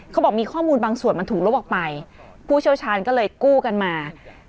เขาบอกมีข้อมูลบางส่วนมันถูกลบออกไปผู้เชี่ยวชาญก็เลยกู้กันมา